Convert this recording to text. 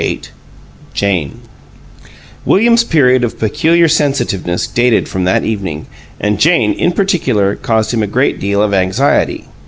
VIII JANE William's period of peculiar sensitiveness dated from that evening, and Jane, in particular, caused him a great deal of anxiety.